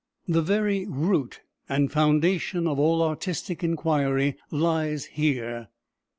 The very root and foundation of all artistic inquiry lies here.